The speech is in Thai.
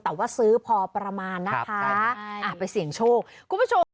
แต่ว่าซื้อพอประมาณนะคะไปเสียงโชค